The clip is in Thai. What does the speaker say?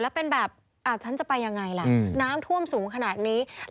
แล้วเป็นแบบฉันจะไปยังไงล่ะน้ำท่วมสูงขนาดนี้